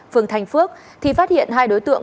phường thành phước thì phát hiện hai đối tượng